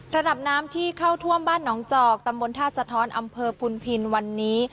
ระดับน้ำที่เข้าท่วมบ้านหนองจอกตำบลท่าสะท้อนอำเภอพุนพินวันนี้